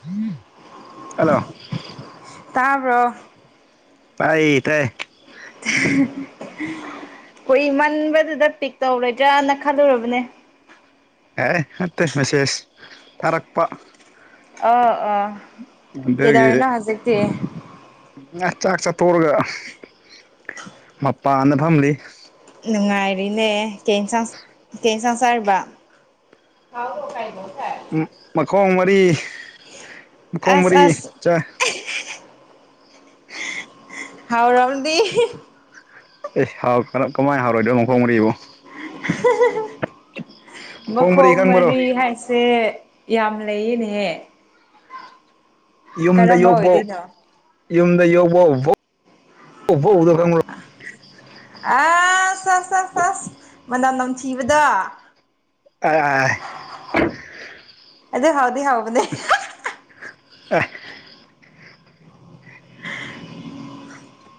[unintelligible] hello ꯇꯥꯕ꯭ꯔꯣ ꯇꯥꯏꯌꯦ ꯇꯥꯏ [unintelligible] ꯀꯨꯏꯃꯟꯕꯗꯨꯗ ꯄꯤꯛ ꯇꯧꯔꯣꯏꯗ꯭ꯔꯅ ꯈꯜꯂꯨꯔꯕꯅꯦ ꯑꯦ ꯅꯠꯇꯦ ꯃꯦꯁꯦꯁ ꯊꯥꯔꯛꯄ ꯑꯣ ꯑꯣ ꯀꯤꯗꯧꯔꯤꯅꯣ ꯍꯨꯖꯤꯛꯇꯤ ꯉ ꯆꯥꯛ ꯆꯥꯇꫭꯔꯒ ꯃꯄꯥꯟꯗ ꯐꯝꯂꯤ ꯅꯨꯡꯉꯥꯏꯔꯤꯅꯦ ꯀꯩ ꯏꯟꯁꯥꯡ ꯀꯩ ꯏꯟꯁꯥꯡ ꯆꯥꯔꯤꯕ [unintelligible] ꯎꯝ ꯃꯈꯣꯡ ꯃꯔꯤ ꯃꯈꯣꯡ ꯑꯁ ꯃꯔꯤ ꯑꯁ ꯆꯥ [unintelligible] ꯍꯥꯎꯔꯝꯅꯤ ꯑꯦ ꯍꯥꯎ [unintelligible] ꯀꯝꯃꯥꯏ ꯍꯥꯎꯔꯣꯏꯗꫭꯏ ꯃꯈꯣꯡ ꯃꯔꯤꯕꫭ [unintelligible] ꯃꯈꯣꯡ ꯃꯔꯤ ꯍꯥꯏ ꯁꯦ ꯌꯥꯝ ꯂꯩꯌꯦꯅꯦꯍꯦ ꯌꯨꯝꯗ ꯀꯔꯝꯕ ꯌꯣꯛꯄꯣꯛ ꯑꯣꯏꯗꯣꯏꯅꯣ ꯌꯨꯝꯗ ꯌꯣꯛꯄꯣꯛ [unintelligible] ꯈꯪꯕ꯭ꯔꫭ [inaudible] ꯑꯥꯁ ꯑꯥꯁ ꯁꯥ ꯁꯥꯁ ꯃꯅꯝ ꯅꯝꯊꯤꯕꯗꯣ ꯑ ꯑꯥꯏ ꯑꯗꯨ ꯍꯥꯎꯗꯤ ꯍꯥꯎꯕꯅꯦ [inaudible]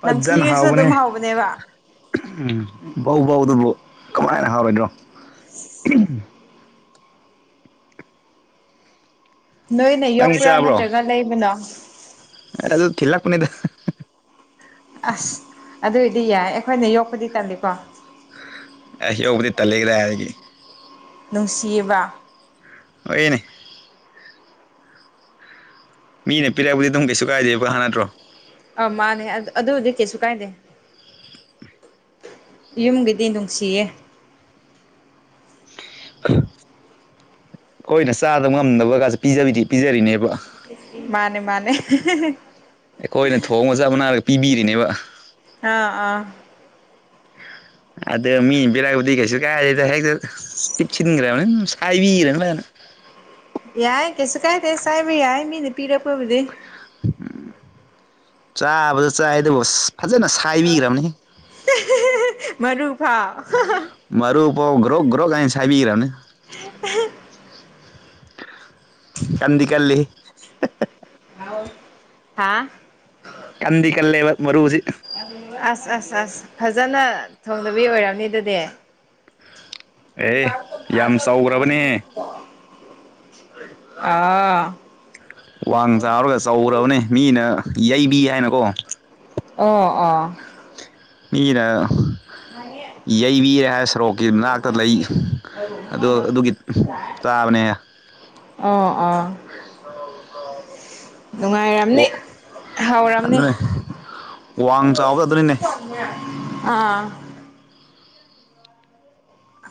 ꯐꯖꯅ ꯅꯝꯊꯤꯔꯁꯨ ꯍꯥꯎꯕꯅꯦ ꯑꯗꯨꯝ ꯍꯥꯎꯕꯅꯦꯕ ꯎꯝ ꯕꯧ ꯕꯧ ꯗꯨꯕꯨ ꯀꯝꯃꯥꯏꯅ ꯍꯥꯎꯔꯣꯏꯗꫭꯏꯅꫭ [unintelligible] ꯅꯣꯏꯅ ꯅꯪꯗꯤ ꯌꯣꯛꯄ꯭ꯔ ꯆꯥꯕ꯭ꯔꯣ ꯅꯠꯇ꯭ꯔꯒ ꯂꯩꯕꯅꯣ ꯑꯗꯨ ꯊꯤꯜꯂꯛꯄꯅꯤꯗ ꯑꯥꯁ ꯑꯗꯨꯏꯗꯤ ꯌꯥꯏ ꯑꯈꯣꯏꯅ ꯌꯣꯛꯄꯗꯤ ꯇꯟꯂꯤꯀꯣ ꯑꯩꯁ‌ ꯌꫭꯛꯄꯗꯤ ꯇꯜꯂꯤ ꯀꯗꯥꯏꯗꯒꯤ ꯅꯨꯡꯁꯤꯕ ꯑꯣꯏꯅꯦ ꯃꯤꯅ ꯄꯤꯔꯛꯄꯗꯤ ꯑꯗꯨꯝ ꯀꯩꯁꯨ ꯀꯥꯏꯗꯦꯕ ꯍꯥ ꯅꯠꯇ꯭ꯔꯣ ꯑ ꯃꯥꯅꯦ ꯑꯗꯨꯗꯤ ꯀꯩꯁꯨ ꯀꯥꯏꯗꯦ ꯌꯨꯝꯒꯤꯗꯤ ꯅꯨꯡꯁꯤꯌꯦ ꯈꯣꯏꯅ ꯆꯥꯗꯕ ꯉꯝꯗꯕꯒꯖꯨ ꯄꯤꯖꯕꯤꯗꯤ ꯄꯤꯖꯔꯤꯅꯦꯕ ꯃꯥꯅꯦ ꯃꯥꯅꯦ ꯑꯩꯈꯣꯏꯅ ꯊꯣꯡꯒ [unintelligible] ꯄꯤꯕꯤꯔꯤꯅꯦꯕ ꯑꯥ ꯑꯥ ꯑꯗ ꯃꯤꯟ ꯕꯤꯔꯛꯄꯗꯤ ꯀꯩꯁꯨ ꯀꯥꯏꯗꯦꯗ ꯍꯦꯛꯇ ꯄꯤꯠꯁꯤꯟꯒ꯭ꯔꯝꯃꯤ ꯁꯥꯏꯕꯤꯒ꯭ꯔꯝꯅꯤ ꯐꯖꯟꯅꯥ ꯌꯥꯏ ꯀꯩꯁꯨ ꯀꯥꯏꯗꯦ ꯆꯥꯏꯕ ꯌꯥꯏ ꯃꯤꯅ ꯄꯤꯔꯛꯄꯕꯨꯗꯤ ꯎꯝ ꯆꯥꯕꯗꯨ ꯆꯥꯏ ꯗꯨꯕꯨ ꯑꯁ ꯐꯖꯟꯅ ꯁ ꯃꯔꯨ ꯐꯥꯎ ꯃꯔꯨ ꯐꯥꯎ ꯒ꯭ꯔꯣꯛ ꯒ꯭ꯔꯣꯛ ꯍꯥꯏꯅ ꯁꯥꯏꯕꯤꯒ꯭ꯔꯝꯃꯦ ꯀꯟꯗꯤ ꯀꯜꯂꯤꯍꯦ ꯍꯥꯥ ꯀꯟꯗꯤ ꯀꯜꯂꯦꯕ ꯃꯔꯨꯖꯤ ꯑꯁ ꯑꯁ ꯑꯁ ꯐꯖꯅꯥ ꯊꯣꯡꯗꯕꯤ ꯑꯣꯏꯔꯝꯅꯤ ꯑꯗꯨꯗꯤ ꯑꯦ ꯑꯦ ꯌꯥꯝ ꯆꯥꯎꯒ꯭ꯔꯕꯅꯦ ꯑꯥ ꯋꯥꯡ ꯆꯥꯎꯔꯒ ꯆꯧꯒ꯭ꯔꯕꯅꯦ ꯃꯤꯅ ꯌꯩꯕꯤ ꯍꯥꯏꯅꯀꯣ ꯑꯣ ꯑꯣꯥ ꯃꯤꯅꯥ ꯃꯅꯥꯛꯇ ꯂꯩ ꯑꯗꯨ [unintelligible] ꯑꯗꯨꯒꯤ ꯇꯥꯕꯅꯦ ꯑꯣ ꯑꯣ ꯅꯨꯡꯉꯥꯏꯔꯝꯅꯤ ꯑꯣ ꯍꯧꯔꯝꯅꯤ ꯑꯗꯨꯅꯦ ꯋꯥꯡ ꯆꯥꯎꯕ ꯑꯗꯨꯅꯤꯅꯦ ꯑꯥ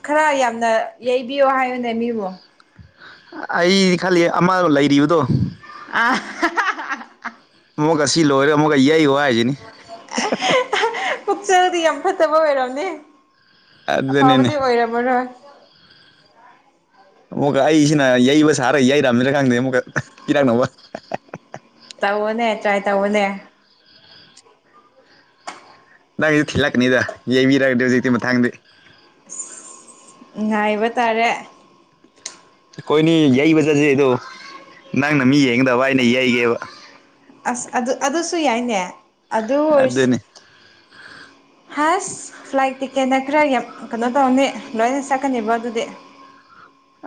ꯈꯔ ꯌꯥꯝꯅ ꯌꯩꯕꯤꯌꯣ ꯍꯥꯏꯌꯣꯅꯦ ꯃꯤꯕꯨ ꯑꯩꯗꯤ ꯈꯜꯂꯤ ꯑꯃ ꯂꯩꯔꯤꯕꯗꯣ ꯑꯥ ꯍꯥ ꯍꯥ ꯍꯥ ꯑꯃꯨꯛꯀ ꯑꯁꯤ ꯂꯣꯏꯔꯒ ꯑꯃꯨꯛꯀ ꯌꯩꯑꯣ ꯍꯥꯏꯁꯤꯅꯤ ꯄꯨꯛꯆꯦꯜꯗꯤ ꯌꯥꯝ ꯐꯠꯇꯕ ꯑꯣꯏꯔꯝꯅꯤ ꯑꯗꯨꯅꯤꯅꯦ ꯑꯐꯕꯗꯤ ꯑꯣꯏꯔꯝꯃꯔꯣꯏ ꯑꯃꯨꯛꯀ ꯑꯩꯁꯤꯅ ꯌꯩꯕ ꯁꯥꯔ ꯌꯩꯔꯥꯝꯁꯤꯔ ꯈꯪꯗꯦ ꯑꯃꯨꯛꯀ ꯄꯤꯔꯛꯅꯕ ꯇꯧꯑꯣꯅꯦ ꯇ꯭ꯔꯥꯏ ꯇꯧꯑꯣꯅꯦ ꯅꯪꯒꯤꯁꯨ ꯊꯤ ꯂꯥꯛꯀꯅꯤꯗ ꯌꯩꯕꯤꯔꯗꯤ ꯍꯧꯖꯤꯛꯇꯤ ꯃꯊꯡꯗꯤ ꯉꯥꯏꯕ ꯇꯥꯔꯦ ꯑꯩꯈꯣꯏꯅꯤ ꯌꯩꯕ ꯆꯠꯁꯤ ꯑꯗꯣ ꯅꯪꯅ ꯃꯤ ꯌꯦꯡꯒꯗꯕ ꯑꯩꯅ ꯌꯩꯒꯦꯕ ꯑꯁ ꯑꯗꯨ ꯑꯗꯨꯁꯨ ꯌꯥꯏꯅꯦ ꯑꯗꯨ ꯑꯣꯏꯔꯁ ꯑꯗꯨꯅꯤ ꯍꯁ ꯐ꯭ꯂꯥꯏꯠ ꯇꯤꯛꯀꯦꯠꯅ ꯈꯔ ꯌꯥꯝ ꯀꯩꯅꯣ ꯇꯧꯔꯅꯤ ꯂꯣꯏꯅ ꯆꯠꯀꯅꯤꯕ ꯑꯗꯨꯗꯤ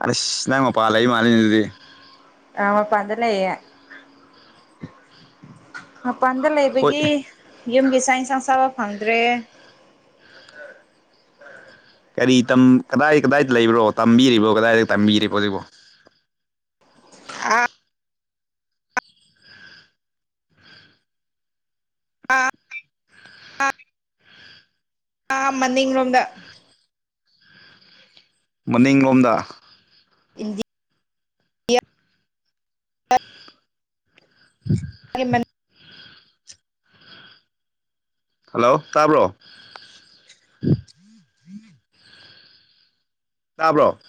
ꯑꯅꯁ ꯅꯪ ꯃꯄꯥꯥ ꯂꯩ ꯃꯥꯜꯂꯤꯅꯤ ꯑꯗꯨꯗꯤ ꯑ ꯃꯄꯥꯟꯗ ꯂꯩꯌꯦ ꯃꯄꯥꯟꯗ ꯍꯣꯏ ꯂꯩꯕꯒꯤ ꯌꯨꯝꯒꯤ ꯆꯥꯛ ꯏꯟꯁꯥꯡ ꯆꯥꯕ ꯐꯪꯗ꯭ꯔꯦ ꯀꯔꯤ ꯇꯝ ꯀꯗꯥꯏ ꯀꯗꯥꯏꯗ ꯂꯩꯕ꯭ꯔꯣ ꯇꯝꯕꯤꯔꯤꯕꯣ ꯀꯗꯥꯏꯗ ꯇꯝꯕꯤꯔꯤꯕꯣ ꯍꯧꯖꯤꯛꯕꯣ ꯑ ꯑꯥ ꯑꯥ ꯑꯥ ꯃꯅꯤꯡꯂꯣꯝꯗ ꯃꯅꯤꯡꯂꯣꯝꯗ ꯏꯟ ꯍꯜꯂꯣ ꯇꯥꯕ꯭ꯔꯣ ꯇꯥꯕ꯭ꯔꯣ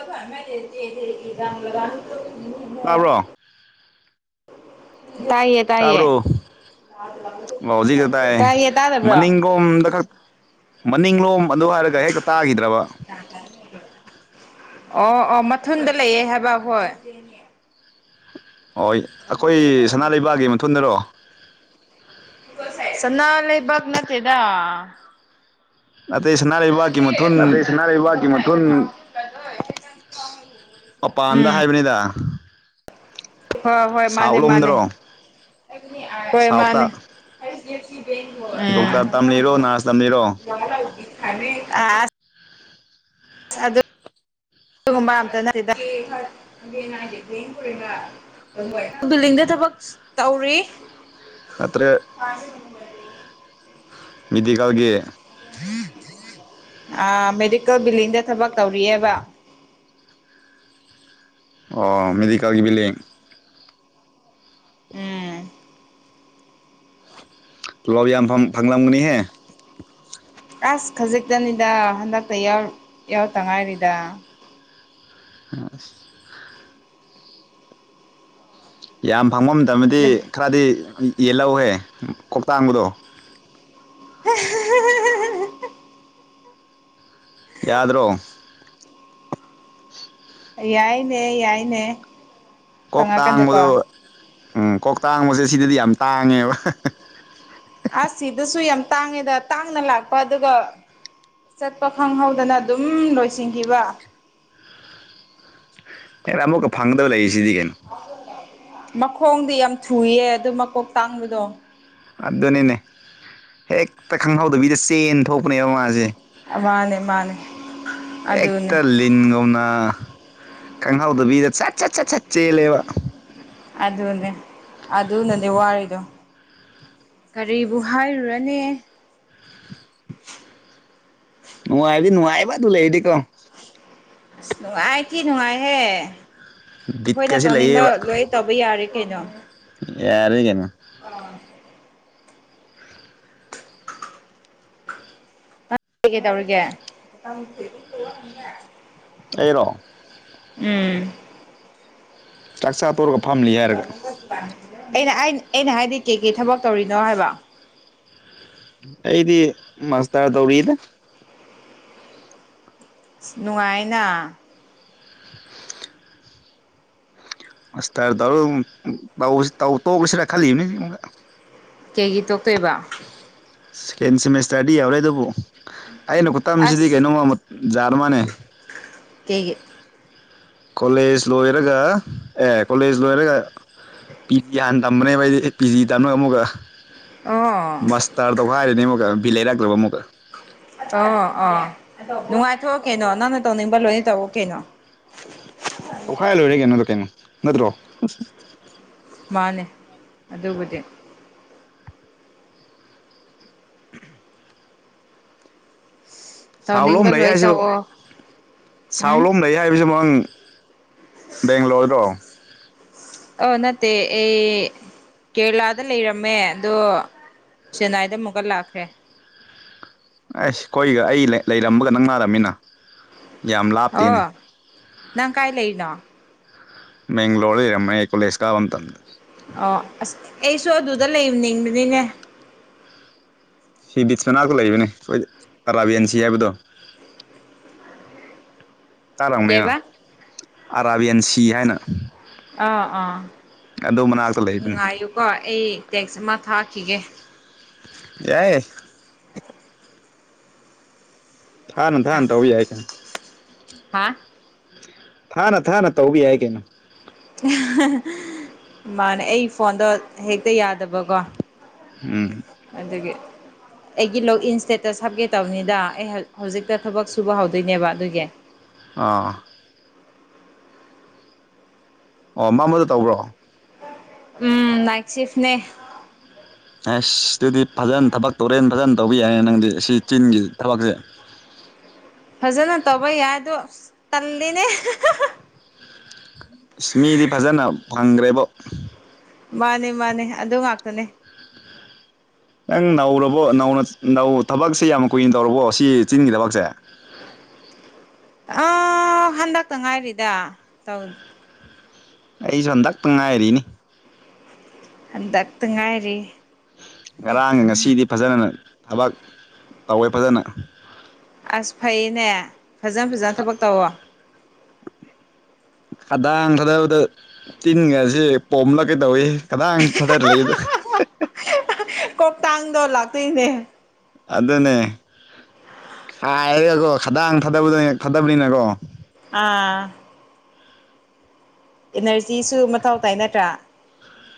[inaudible] ꯇꯥꯕ꯭ꯔꯣ ꯇꯥꯏꯌꯦ ꯇꯥꯏꯌꯦ ꯇꯥꯕ꯭ꯔꯣ ꯇꯥꯏꯌꯦ ꯇꯥꯗꯕ꯭ꯔꯣ ꯂꯣꯝꯗ ꯈꯛ ꯃꯅꯤꯡꯂꯣꯝ ꯑꯗꯨ ꯍꯥꯏꯔꯒ ꯍꯦꯛꯇ ꯇꯥꯒꯤꯗ꯭ꯔꯕ ꯑꯣ ꯑꯣ ꯃꯊꯨꯟꯗ ꯂꯩꯑꯦ ꯍꯥꯏꯕ ꯍꯣꯏ ꯗꯦꯅꯦ [inaudible] ꯍꯣꯏ ꯑꯩꯈꯣꯏꯒꯤ ꯁꯅꯥ ꯂꯩꯕꯥꯛꯒꯤ ꯃꯊꯨꯟꯗꯔꯣ [inaudible] ꯁꯅꯥ ꯂꯩꯕꯥꯛ ꯅꯠꯇꯦꯗ ꯅꯠꯇꯦ ꯁꯅꯥ ꯂꯩꯕ ꯅꯠꯇꯦ ꯁꯅꯥ ꯂꯩꯕꯥꯛꯀꯤ ꯃꯊꯨꯟ ꯑꯄꯥꯟꯗ ꯍꯥꯏꯕꯅꯤꯗ ꯍꯣꯏ ꯍꯣꯏ ꯃꯥꯅꯦ ꯁꯥꯎꯠ ꯃꯥꯅꯦ ꯂꯣꯝꯗꯔꯣ ꯍꯣꯏ ꯁꯥꯎꯠꯇ ꯃꯥꯅꯦ ꯗꯣꯛꯇꯔ ꯇꯝꯂꯤꯔꯣ ꯅꯔꯁ ꯇꯝꯂꯤꯔꯣ [unintelligible] ꯑ ꯑꯗꯨ ꯑꯗꯨꯒꯨꯝꯕ ꯑꯝꯇ ꯅꯠꯇꯦꯗ ꯑꯗꯨꯂꯤꯡꯗ ꯊꯕꯛ ꯇꯧꯔꯤ ꯅꯠꯇ꯭ꯔꯦ [inaudible] ꯃꯤꯗꯤꯀꯜꯒꯤ ꯑꯥ ꯃꯦꯗꯤꯀꯜ ꯕꯤꯜꯗꯤꯡꯗ ꯊꯕꯛ ꯇꯧꯔꯤꯑꯦꯕ ꯑꯣ ꯃꯦꯗꯤꯀꯜꯒꯤ ꯕꯤꯜꯗꯤꯡ ꯎꯝ ꯇꯣꯂꯣꯄ ꯌꯥꯝ ꯐꯝ-ꯐꯪꯂꯝꯒꯅꯤꯍꯦ ꯑꯁ ꯈꯖꯤꯛꯇꯅꯤꯗ ꯍꯟꯗꯛꯇ ꯌꯥꯎ-ꯌꯥꯎꯔꯛꯇ ꯉꯥꯏꯔꯤꯗ ꯍꯥ ꯌꯥꯝ ꯐꯪꯕ ꯃꯇꯝꯗꯗꯤ ꯈꯔꯗꯤ ꯌꯦꯜꯂꯧꯍꯦ ꯀꯣꯛ ꯇꯥꯡꯕꯗꯣ [unintelligible] ꯌꯥꯗ꯭ꯔꯣ ꯌꯥꯏꯅꯦ ꯌꯥꯏꯅꯦ ꯀꯣꯛ ꯇꯥꯡꯕꯗꯣ ꯐꯪꯉꯀꯥꯟꯗꯀꯣ ꯎꯝ ꯀꯣꯛ ꯇꯥꯡꯕꯁꯦ ꯁꯤꯗꯗꯤ ꯌꯥꯝ ꯇꯥꯡꯉꯦꯕ [unintelligible] ꯑꯁ ꯁꯤꯗꯁꯨ ꯌꯥꯝ ꯇꯥꯡꯉꯦꯗ ꯇꯥꯡꯅ ꯂꯥꯛꯄ ꯑꯗꯨꯒ ꯆꯠꯄ ꯈꯪꯍꯧꯗꯅ ꯑꯗꯨꯝ ꯂꯣꯏꯁꯤꯟꯈꯤꯕ ꯍꯦꯔꯥ ꯑꯃꯨꯛꯀ ꯐꯪꯗꯧ ꯂꯩꯔꯤꯁꯤꯗꯤ ꯀꯩꯅꯣ ꯃꯈꯣꯡꯗꯤ ꯌꯥꯝ ꯊꯨꯏꯌꯦ ꯑꯗꯨ ꯃꯀꯣꯛ ꯇꯥꯡꯕꯗꯣ ꯑꯗꯨꯅꯤꯅꯦ ꯍꯦꯛꯇ ꯈꯪꯍꯧꯗꯕꯤꯗ ꯆꯦꯟ ꯊꯣꯛꯄꯅꯦꯕ ꯃꯥꯁꯦ ꯃꯥꯅꯦ ꯃꯥꯅꯦ ꯑꯗꯨꯅꯦ ꯍꯦꯛꯇ ꯂꯤꯟꯒꯨꯝꯅ ꯈꯪꯍꯧꯗꯕꯤꯗ ꯁꯠ ꯁꯠ ꯁꯠ ꯁꯠ ꯆꯦꯜꯂꯦꯕ ꯑꯗꯅꯦ ꯑꯗꯨ ꯅꯅꯦ ꯋꯥꯔꯤꯗꯣ ꯀꯔꯤꯕꯨ ꯍꯥꯏꯔꯨꯔꯅꯤ ꯅꯨꯡꯉꯥꯏꯕꯗꯤ ꯅꯨꯡꯉꯥꯏꯕ ꯑꯗꯨ ꯂꯩꯔꯗꯤꯀꯣ ꯑꯁ ꯅꯨꯡꯉꯥꯏ ꯊꯤ ꯅꯨꯡꯉꯥꯏꯍꯦ ꯑꯈꯣꯏꯅ ꯕꯤꯠꯀꯁꯤ ꯇꯧꯅꯤꯡꯕ ꯂꯩꯌꯦꯕ ꯂꯣꯏ ꯇꯧꯕ ꯌꯥꯔꯦ ꯀꯩꯅꯣ ꯌꯥꯔꯦ ꯀꯩꯅꯣ ꯑꯥ ꯀꯩ ꯀꯩ ꯇꯧꯔꯤꯒꯦ ꯑꯩꯔꯣ ꯎꯝ ꯆꯥꯛ ꯆꯥ ꯇꯣꯔꯒꯞ ꯑꯩꯅ ꯑꯩꯟ ꯑꯩꯅ ꯍꯥꯏꯗꯤ ꯀꯩ ꯀꯩ ꯊꯕꯛ ꯇꯧꯔꯤꯅꯣ ꯍꯥꯏꯕ ꯑꯩꯗꯤ ꯃꯥꯁꯇꯔ ꯇꯧꯔꯤꯗꯥ ꯅꯨꯉꯥꯏꯅ ꯑꯁ ꯁꯇꯥꯏꯜ ꯇꯧꯔꯗꯨꯝ ꯇꯧꯕꯁꯤ ꯇꯧ ꯇꯣꯛꯔꯁꯤꯔꯥ ꯈꯜꯂꯤꯝꯅꯤꯅꯦ ꯑꯩꯉꯣꯟꯗ ꯀꯩꯒꯤ ꯇꯣꯛꯇꯣꯏꯕ ꯁꯦꯀꯦꯟ ꯁꯦꯃꯦꯁꯇꯔꯗꯤ ꯌꯧꯔꯦ ꯑꯗꯨꯕꯨ ꯑꯩꯅ ꯑꯁ ꯈꯨꯠꯇꯝꯁꯤꯗꯤ ꯀꯩꯅꯣꯝꯃ ꯃꯨꯠ ꯖꯥꯠꯑꯃꯅꯦ ꯀꯩꯒꯤ ꯀꯣꯂꯦꯖ ꯂꯣꯏꯔꯒ ꯑꯦ ꯀꯣꯂꯦꯖ ꯂꯣꯏꯔꯒ ꯄꯤꯗꯤ ꯍꯥꯟ ꯇꯝꯕꯅꯦꯕ ꯑꯩꯗꯤ ꯄꯤꯖꯤ ꯇꯝꯔꯒ ꯑꯃꯨꯛꯒ ꯑꯣ ꯃꯁ ꯇꯥꯏꯜ ꯇꯧꯒꯥꯏꯔꯤꯅꯤ ꯑꯃꯨꯛꯀ ꯕꯤꯠ ꯂꯩꯔꯛꯇ꯭ꯔꯕ ꯑꯃꯨꯛꯀ ꯑꯣ ꯑꯣ ꯅꯨꯡꯉꯥꯏꯊꯣꯛꯑꯣ ꯀꯩꯅꯣ ꯅꯪꯅ ꯇꯧꯅꯤꯡꯕ ꯂꯣꯏꯅ ꯇꯧꯋꯣ ꯀꯦꯅꯣ ꯇꯧꯈꯥꯏꯔ ꯂꯣꯏꯔꯦ ꯀꯩꯅꯣꯗꯣ ꯀꯩꯅꯣ ꯅꯠꯇ꯭ꯔꯣ ꯃꯥꯅꯦ ꯑꯗꯨꯕꯨꯗꯤ ꯁꯥꯎ ꯂꯣꯝ ꯇꯧꯅꯤꯡꯕ ꯂꯩ ꯂꯣꯏ ꯍꯥꯏꯖꯨ ꯇꯧꯑꯣ ꯁꯥꯎ ꯎꯝ ꯂꯣꯝ ꯂꯩ ꯍꯥꯏꯕꯖꯨ [unintelligible] ꯕꯦꯡꯒꯂꯣꯔꯗꯣ ꯑꯣ ꯅꯠꯇꯦ ꯑꯩ ꯀꯦꯔꯂꯥꯗ ꯂꯩꯔꯝꯃꯦ ꯑꯗꯣ ꯆꯦꯟꯅꯥꯏꯗ ꯑꯃꯨꯛꯀ ꯂꯥꯛꯈ꯭ꯔꯦ ꯑꯥꯏꯁ ꯈꯣꯏꯒ ꯑꯩ ꯂꯩ-ꯂꯩꯔꯝꯕꯒ ꯅꯛꯅꯥꯔꯝꯃꯤꯅ ꯑꯣ ꯅꯪ ꯀꯥꯏ ꯂꯩꯔꯤꯅꯣ ꯃꯦꯡꯒ꯭ꯂꯣꯔ ꯂꯩꯔꯝꯃꯦ ꯀꯣꯂꯦꯖ ꯀꯥꯕ ꯃꯇꯝꯗ ꯑꯣ ꯑꯁ ꯑꯩꯁꯨ ꯑꯗꯨꯗ ꯂꯩꯝꯅꯤꯡꯕꯅꯤꯅꯦ ꯁꯤ ꯕꯤꯆ ꯃꯅꯥꯛꯇ ꯂꯩꯕꯅꯦ ꯑꯩꯈꯣꯏ ꯑꯔꯥꯕꯤꯌꯟ ꯁꯤ ꯍꯥꯏꯕꯗꯣ ꯇꯥꯔꯝꯒꯅꯤꯅ ꯀꯩꯕ ꯑꯔꯥꯕꯤꯌꯟ ꯁꯤ ꯍꯥꯏꯅ ꯑꯥ ꯑꯥ ꯑꯗꯨ ꯃꯅꯥꯛꯇ ꯂꯩꯕꯅꯤ ꯉꯥꯏꯌꯨꯀꯣ ꯑꯩ ꯇꯦꯛꯁ ꯑꯃ ꯊꯥꯈꯤꯒꯦ ꯌꯥꯏꯌꯦ ꯊꯥꯅ ꯑꯥ ꯊꯥꯅ ꯇꯧ ꯌꯥꯏ ꯀꯩꯟ ꯍꯥ ꯊꯥꯅ ꯊꯥꯅ ꯇꯧꯕ ꯌꯥꯏ ꯀꯩꯅꯣ ꯃꯥꯅꯦ ꯑꯩ ꯐꯣꯟꯗꯣ ꯍꯦꯛꯇ ꯌꯥꯗꯕꯒꯣ ꯎꯝ ꯑꯗꯨꯒꯤ ꯑꯩꯒꯤ ꯂꯣꯛꯏꯟ ꯁ꯭ꯇꯦꯇꯁ ꯍꯥꯞꯀꯦ ꯇꯧꯕꯅꯤꯗ ꯑꯩ ꯍ ꯍꯧꯖꯤꯛꯇ ꯊꯕꯛ ꯁꯨꯕ ꯍꯧꯗꯣꯏꯅꯦꯕ ꯑꯗꯨꯒꯤ ꯑꯥ ꯑꯣ ꯃꯝꯕꯗ ꯇꯧꯕ꯭ꯔꯣ ꯎꯝ ꯅꯥꯏꯛ ꯁꯤꯐꯅꯦ ꯑꯁ ꯑꯗꯨꯗꯤ ꯐꯖꯅ ꯊꯕꯛ ꯇꯧꯔꯦꯅ ꯐꯖꯟ ꯇꯧꯕ ꯌꯥꯏꯌꯦ ꯅꯪꯗꯤ ꯁꯤ ꯆꯤꯟꯒꯤ ꯊꯕꯛꯁꯦ ꯐꯖꯅ ꯇꯧꯕ ꯌꯥꯏꯗꯣ ꯑꯁ ꯇꯜꯂꯤꯅꯦ ꯁꯃꯤꯗꯤ ꯐꯖꯅ ꯐꯪꯒꯔ꯭ꯦꯕꯣ ꯃꯥꯅꯦ ꯃꯥꯅꯦ ꯑꯗꯨ ꯉꯥꯛꯇꯅꯦ ꯅꯪ ꯅꯧꯔꯕꯣ ꯅꯧꯅ ꯅꯧ ꯊꯕꯛꯁꯦ ꯌꯥꯝ ꯀꯨꯏꯅ ꯇꯧꯔꯕꯣ ꯁꯤ ꯆꯤꯟꯒꯤ ꯊꯕꯛꯁꯦ ꯑꯥ ꯍꯟꯗꯛꯇ ꯉꯥꯏꯔꯤꯗ ꯇꯧ ꯑꯩꯁꯨ ꯍꯟꯗꯛꯇ ꯉꯥꯏꯔꯤꯅꯤ ꯍꯟꯗꯛꯇ ꯉꯥꯏꯔꯤ ꯉꯔꯥꯡ ꯉꯁꯤꯗꯤ ꯐꯖꯅ ꯊꯕꯛ ꯇꯧꯋꯦ ꯐꯖꯅ ꯑꯁ ꯐꯩꯅꯦ ꯐꯖꯅ ꯐꯖꯅ ꯊꯕꯛ ꯇꯧꯋꯣ ꯈꯗꯥꯡ ꯊꯗꯕꯗ ꯆꯤꯟꯒꯁꯦ ꯄꯣꯝꯂꯒꯦ ꯇꯧꯋꯦ ꯀꯗꯥꯡ ꯊꯗꯔ ꯂꯩꯕꯗ ꯀꯣꯛꯇꯥꯡꯗꯣ ꯂꯥꯛꯇꯣꯏꯅꯦ ꯑꯗꯨꯅꯦ ꯈꯥꯏꯔꯒꯀꯣ ꯈꯗꯥꯥꯡ ꯊꯥꯗꯕꯗ ꯊꯥꯗꯕꯅꯤꯅꯀꯣ ꯑꯥ ꯑꯦꯅꯔꯖꯤꯁꯨ ꯃꯊꯧ ꯇꯥꯏ ꯅꯠꯇ꯭ꯔꯥ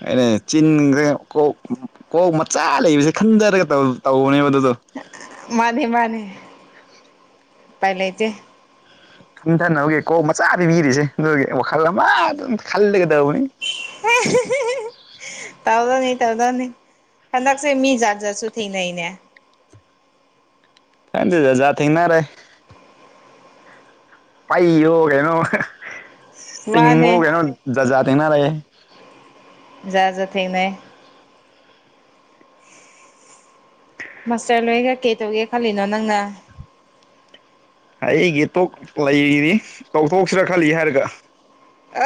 ꯑꯩꯅꯦ ꯆꯤꯟꯈꯔꯦꯀꯣ ꯀꯣꯛ ꯃꯆꯥ ꯂꯩꯕꯁꯦ ꯈꯟꯊꯔꯒ ꯇꯧꯕꯅꯦꯕ ꯑꯗꯨꯗꯣ ꯃꯥꯅꯤ ꯃꯥꯅꯤ ꯎꯄꯥꯏ ꯂꯩꯇꯦ ꯈꯟꯊꯅꯕꯒꯤ ꯀꯣꯛ ꯃꯆꯥ ꯄꯤꯕꯤꯔꯤꯁꯦ ꯑꯗꯨꯒꯤ ꯋꯥꯈꯜ ꯑꯃ ꯑꯗꯨꯝ ꯈꯜꯂꯒꯗꯧꯕꯅꯤ ꯍꯦ [unintelligible] ꯇꯧꯗꯝꯅꯤ ꯇꯧꯗꯝꯅꯤ ꯍꯟꯗꯛꯁꯦ ꯃꯤ ꯖꯥꯠ ꯖꯥꯠꯁꯨ ꯊꯦꯡꯅꯩꯅꯦ ꯈꯪꯗꯦ ꯖꯖꯥꯠ ꯊꯦꯡꯅꯔꯦ ꯄꯩꯌꯣ ꯀꯩꯅꯣ ꯆꯤꯡꯕ ꯃꯥꯅꯦ ꯀꯩꯅꯣ ꯖꯖꯥꯠ ꯊꯦꯡꯅꯔꯌꯦ ꯖꯖꯥꯠ ꯊꯦꯡꯅꯩ ꯃꯥꯁꯇꯔ ꯂꯣꯏꯒ ꯀꯩ ꯇꯧꯒꯦ ꯈꯜꯂꯤꯅꯣ ꯅꯪꯅ ꯑꯩꯒꯤ ꯇꯣꯛ ꯂꯩꯔꯤꯅꯤ ꯇꯧꯊꯣꯛꯁꯤꯔꯥ ꯈꯜꯂꯤ ꯍꯥꯏꯔꯒ ꯑ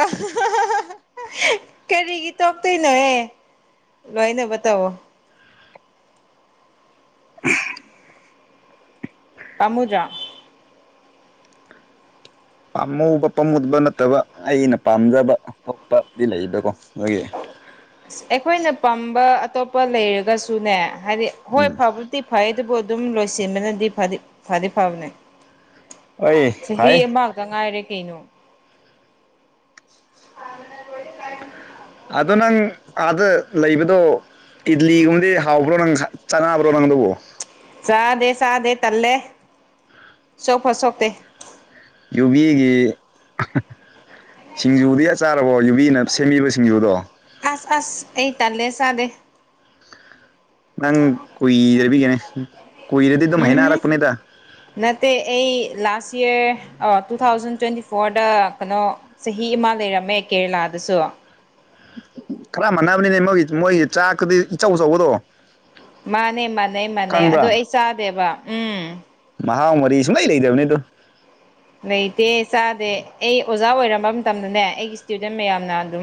ꯀꯔꯤꯒꯤ ꯇꯣꯛꯇꯣꯏꯅꯣꯍꯦ ꯉꯥꯏꯅꯕ ꯇꯧꯋꯣ [unintelligible] ꯄꯥꯝꯃꯨꯗꯔꯥ ꯄꯥꯝꯃꯨꯕ ꯄꯥꯝꯃꯨꯗꯕ ꯅꯠꯇꯕ ꯑꯩꯅ ꯄꯥꯝꯖꯕ ꯊꯣꯛꯄꯗꯤ ꯂꯩꯗꯀꯣ ꯑꯗꯨꯒꯤ ꯑꯁ ꯑꯩꯈꯣꯏꯅ ꯄꯥꯝꯕ ꯑꯇꯣꯞꯄ ꯂꯩꯔꯒꯁꯨꯅꯦ ꯍꯥꯏꯗꯤ ꯍꯣꯏ ꯎꯝ ꯐꯕꯨꯗꯤ ꯐꯥꯏꯌꯦ ꯗꯨꯕꯣꯑꯗꯨꯝ ꯂꯣꯏꯁꯤꯟꯕꯅꯗꯤ ꯐ ꯐꯗꯤ ꯐꯥꯕꯅꯦ ꯍꯣꯏ ꯆꯍꯤ ꯐꯩ ꯑꯃꯇ ꯉꯥꯏꯔꯦ ꯀꯩꯅꯣ [unintelligible] ꯑꯗꯣ ꯅꯪ ꯑꯥꯗ ꯂꯩꯕꯗꯣ ꯏꯗꯂꯤꯒꯨꯝꯕꯗꯤ ꯍꯥꯎꯕ꯭ꯔꯣ ꯅꯪ ꯆꯥꯅꯕ꯭ꯔꯣ ꯅꯪꯗꯨꯕꯣ ꯆꯥꯗꯦ ꯆꯥꯗꯦ ꯇꯜꯂꯦ ꯁꯣꯛꯄꯨ ꯁꯣꯛꯇꯦ ꯌꯨꯕꯤꯒꯤ ꯁꯤꯡꯖꯨꯗꯤ ꯆꯥꯔꯕꯣ ꯌꯨꯕꯤꯅ ꯁꯦꯝꯕꯤꯕ ꯁꯤꯡꯖꯨꯗꯣ ꯑꯁ ꯑꯁ ꯑꯩ ꯇꯜꯂꯦ ꯆꯥꯗꯦ ꯅꯪ ꯀꯨꯏꯗꯕꯒꯤꯅꯦ ꯀꯨꯏꯔꯗꯤ ꯑꯗꯨꯝ ꯎꯝ ꯍꯩꯅꯔꯛꯄꯅꯦꯗ ꯅꯠꯇꯦ ꯑꯩ ꯂꯥꯁ ꯌꯔ ꯇꯨ ꯑ ꯊꯥꯎꯖꯟ ꯇ꯭ꯋꯦꯟꯇꯤ ꯐꯣꯔꯗ ꯀꯩꯅꯣ ꯆꯍꯤ ꯑꯃ ꯂꯩꯔꯝꯃꯦ ꯀꯦꯔꯦꯂꯥꯗꯁꯨ ꯈꯔ ꯃꯥꯟꯅꯕꯅꯤꯅꯦ ꯃꯣꯏꯒꯤ ꯃꯣꯏꯒꯤ ꯆꯥꯛꯀꯗꯤ ꯏꯆꯧ ꯑꯆꯧꯕꯗꯣ ꯃꯥꯅꯦ ꯃꯥꯥꯟꯅꯩ ꯃꯥꯥꯟꯅꯩ ꯑꯗꯣ ꯑꯩ ꯆꯥꯗꯦꯕ ꯎꯝ ꯃꯍꯥꯎ ꯃꯔꯤ ꯁꯨꯡꯂꯩ ꯂꯩꯇꯕꯅꯤ ꯑꯗꯨ ꯂꯩꯇꯦ ꯆꯥꯗꯦ ꯑꯩ ꯑꯣꯖꯥ ꯑꯣꯏꯔꯝꯕ ꯃꯇꯝꯗꯅꯦ ꯑꯩꯒꯤ ꯏꯁꯇꯨꯗꯦꯟ ꯃꯌꯥꯝꯅ ꯑꯗꯨꯝ